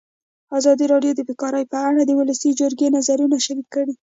ازادي راډیو د بیکاري په اړه د ولسي جرګې نظرونه شریک کړي.